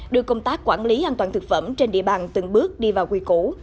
đưa công tác quản lý an toàn thực phẩm trên địa bàn từng bước đi vào quy củ